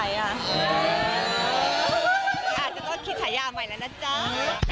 อาจจะต้องคิดฉายาใหม่แล้วนะจ๊ะ